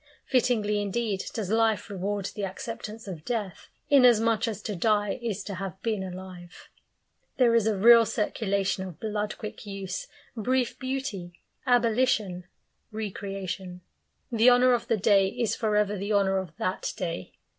Fittingly indeed does life reward the acceptance of death, inasmuch as to die is to have been alive. There is a real circulation of blood quick use, brief beauty, abolition, recreation. The honour of the day is for ever the honour of that day.